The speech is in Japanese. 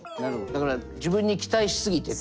だから自分に期待し過ぎてて。